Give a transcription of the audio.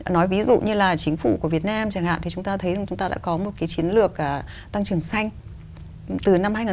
nói ví dụ như là chính phủ của việt nam chẳng hạn thì chúng ta thấy rằng chúng ta đã có một cái chiến lược tăng trưởng xanh